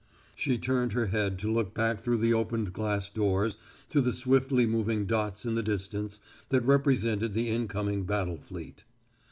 She turned her head to look back through the opened glass doors to the swiftly moving dots in the distance that represented the incoming battle fleet.